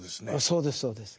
そうですそうです。